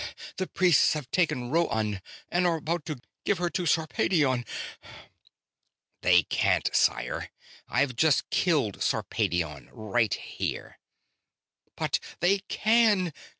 "The priests have taken Rhoann and are about to give her to Sarpedion!" "They can't, sire. I've just killed Sarpedion, right here." "But they can!